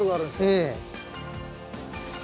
ええ。